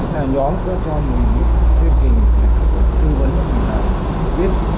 nhóm cũng có cho mình một chương trình tư vấn để mình biết